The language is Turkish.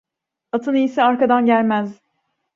Atın iyisi arkadan gelmez.